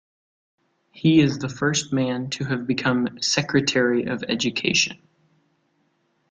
He is the first man to have become Secretary of Education.